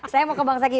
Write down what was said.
saya mau ke bang jaki